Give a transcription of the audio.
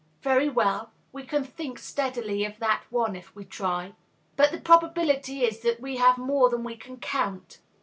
Very well; we can think steadily of that one, if we try. But the probability is that we have more than we can count.